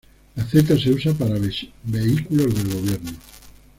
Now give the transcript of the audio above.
La Z se usa para vehículos del gobierno.